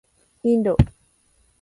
インド